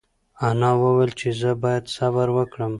انا وویل چې زه باید صبر وکړم.